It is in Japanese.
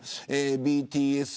ＢＴＳ